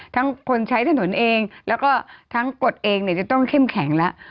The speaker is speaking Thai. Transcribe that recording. คนใช้ถนนเองแล้วก็ทั้งกฎเองเนี่ยจะต้องเข้มแข็งแล้ว